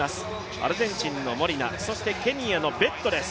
アルゼンチンのモリナ、そしてケニアのベットです。